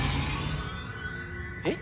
えっ？